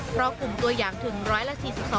เพราะกลุ่มตัวอย่างถึง๑๔๒